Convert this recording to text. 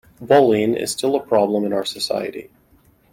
Bullying is still a problem in our society.